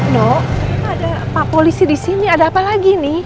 ndok ada pak polisi disini ada apa lagi nih